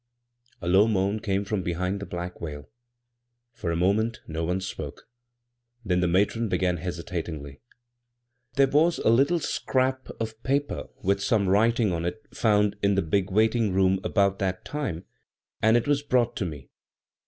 A low moan came from behind the Uack veil. For a moment no one spoke ; then the matron began hesitatingly : "There was a little scrap of paper with some writing on it found out in the big wait ing room about that time, and it was brought to me.